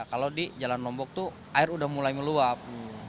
kalau di jalan lombok tuh air sudah mulai meluap